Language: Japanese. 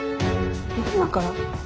今から？